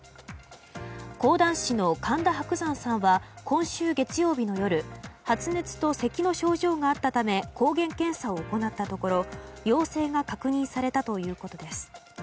講談師の神田伯山さんは今週月曜日の夜発熱とせきの症状があったため抗原検査を行ったところ陽性が確認されたということです。